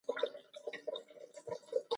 دا خلک بې مینې او بې عاطفې ګرځي ژړا یې راتله.